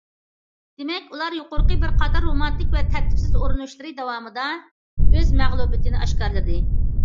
دېمەك ئۇلار يۇقىرىقى بىر قاتار رومانتىك ۋە تەرتىپسىز ئۇرۇنۇشلىرى داۋامىدا ئۆز مەغلۇبىيىتىنى ئاشكارىلىدى.